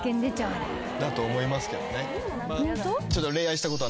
だと思いますけどね。